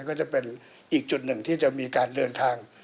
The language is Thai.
ก็จะเป็นอีกจุดหนึ่งที่จะมีการเดินทาง